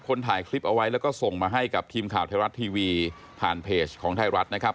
ถ่ายคลิปเอาไว้แล้วก็ส่งมาให้กับทีมข่าวไทยรัฐทีวีผ่านเพจของไทยรัฐนะครับ